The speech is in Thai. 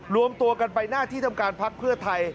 รวมตัวกันไปหน้าที่ทำการพักเพื่อไทย